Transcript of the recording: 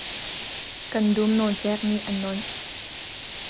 Kan dum nawncek nih a nawnh.